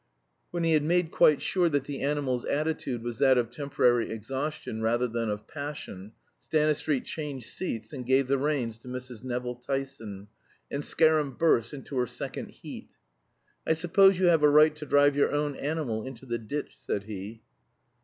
When he had made quite sure that the animal's attitude was that of temporary exhaustion rather than of passion, Stanistreet changed seats, and gave the reins to Mrs. Nevill Tyson; and Scarum burst into her second heat. "I suppose you have a right to drive your own animal into the ditch," said he.